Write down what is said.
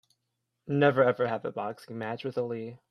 Never ever have a boxing match with Ali!